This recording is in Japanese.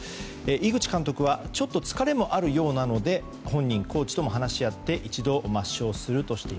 井口監督はちょっと疲れもあるようなので本人、コーチと話し合い一度抹消すると。